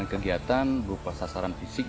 kegiatan berupa sasaran fisik